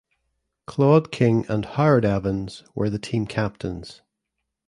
Claude King and Howard Evans were the team captains.